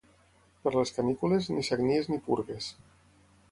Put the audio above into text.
Per les canícules, ni sagnies ni purgues.